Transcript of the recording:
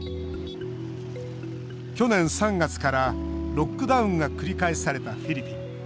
去年３月からロックダウンが繰り返されたフィリピン。